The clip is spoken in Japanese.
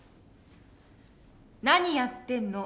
「何やってんの。